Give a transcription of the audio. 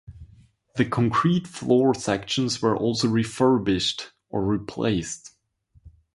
The concrete floor sections were also refurbished or replaced.